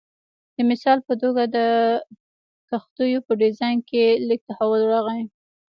د مثال په توګه د کښتیو په ډیزاین کې لږ تحول راغی